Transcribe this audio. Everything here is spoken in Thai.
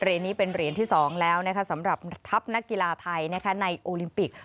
นี้เป็นเหรียญที่๒แล้วสำหรับทัพนักกีฬาไทยในโอลิมปิก